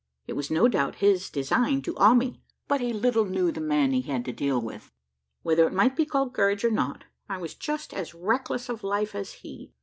It was no doubt his design to awe me; but he little knew the man he had to deal with. Whether it might be called courage or not, I was just as reckless of life as he.